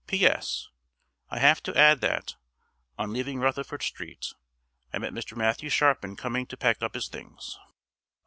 P.S. I have to add that, on leaving Rutherford Street, I met Mr. Matthew Sharpin coming to pack up his things.